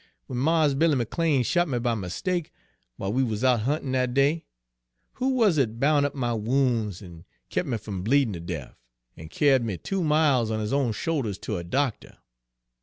W'en Mars Billy McLean shot me by mistake, w'ile we wuz out huntin' dat day, who wuz it boun' up my woun's an' kep' me from bleedin' ter def, an' kyar'ed me two miles on his own shoulders ter a doctuh?"